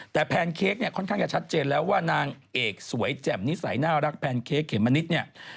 แต่แพนเค้กเนี่ยค่อนข้างจะชัดเจนแล้วว่านางเอกสวยแจ่มนิสัยน่ารักแพนเค้กเขมมะนิดเนี่ย